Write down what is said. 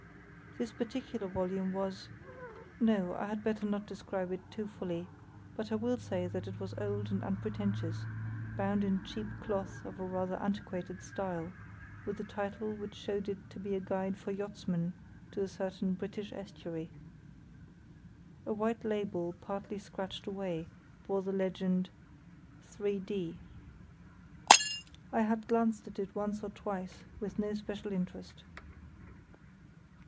This particular volume was—no, I had better not describe it too fully; but I will say that it was old and unpretentious, bound in cheap cloth of a rather antiquated style, with a title which showed it to be a guide for yachtsmen to a certain British estuary. A white label partly scratched away bore the legend "3_d_." I had glanced at it once or twice with no special interest.